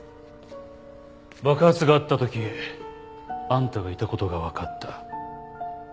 爆発があった時あんたがいた事がわかった。